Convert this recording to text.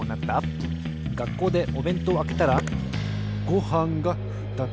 がっこうでおべんとうをあけたらごはんがふたつ。